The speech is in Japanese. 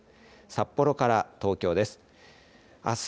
札幌から東京です。